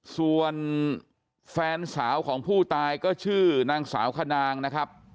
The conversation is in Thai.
ส่วนแฟนสาวของผู้ตายก็ชื่อนางสาวขนางนะครับ